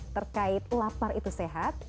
terkait lapar itu sehat